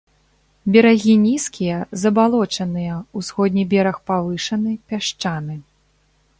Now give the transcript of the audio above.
Берагі нізкія, забалочаныя, усходні бераг павышаны, пясчаны.